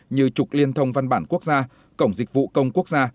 như trục liên thông văn bản quốc gia cổng dịch vụ công quốc gia